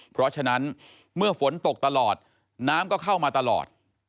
เพราะฉะนั้นเมื่อฝนตกตลอดน้ำก็เข้ามาตลอด